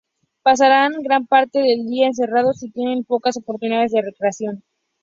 Pasan gran parte del día encerrados y tienen pocas oportunidades de recreación.